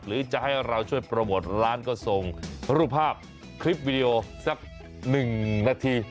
หรือจะให้เราช่วยโปรโมทร้านก็ส่งรูปภาพคลิปวิดีโอสัก๑นาที